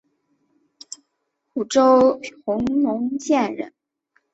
虢州弘农县人。